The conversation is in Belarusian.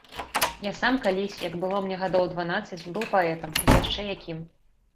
Я сам калісь, як было мне гадоў дванаццаць, быў паэтам, ды яшчэ якім!